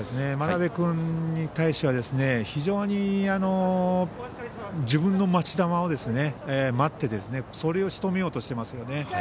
真鍋君に対しては非常に自分の待ち球を待ってそれをしとめようとしていますね。